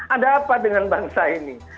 ada apa dengan bangsa ini